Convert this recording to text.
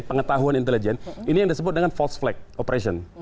pengetahuan intelijen ini yang disebut dengan false flag operation